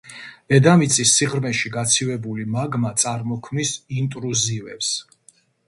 დედამიწის სიღრმეში გაცივებული მაგმა წარმოქმნის ინტრუზივებს.